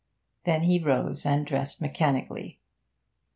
Then he rose and dressed mechanically.